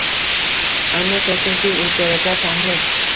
Ammo Toshkent keng imkoniyatlar shahri